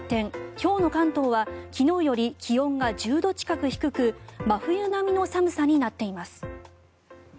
今日の関東は昨日より気温が１０度近く低く真冬並みの寒さになっています。